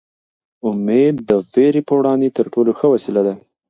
امېد د وېرې په وړاندې تر ټولو ښه وسله ده.